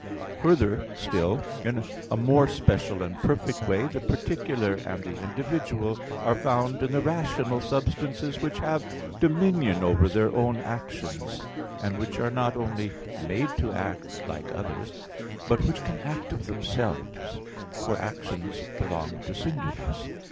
Further still, in a more special and perfect way, the particular and the individual are found in the rational substances which have dominion over their own actions; and which are not only made to act, like others; but which can act of themselves; for actions belong to singulars.